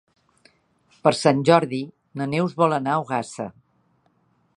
Per Sant Jordi na Neus vol anar a Ogassa.